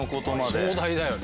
壮大だよね。